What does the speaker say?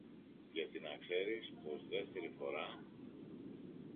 γιατί να ξέρεις πως δεύτερη φορά